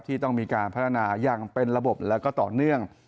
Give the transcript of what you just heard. ที่ต้องมีการพัฒนาอย่างเป็นระบบและก็ต่อเนื่อง